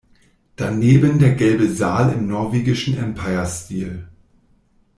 Daneben der Gelbe Saal im norwegischen Empirestil.